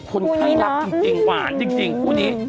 คนคาดรักจริงหวานจริงพูดดี